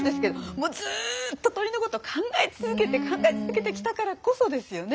もうずっと鳥のことを考え続けて考え続けてきたからこそですよね。